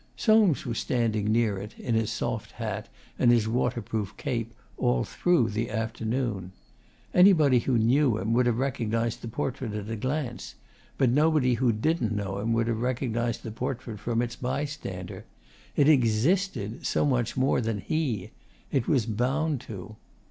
Soames was standing near it, in his soft hat and his waterproof cape, all through the afternoon. Anybody who knew him would have recognised the portrait at a glance, but nobody who didn't know him would have recognised the portrait from its bystander: it 'existed' so much more than he; it was bound to.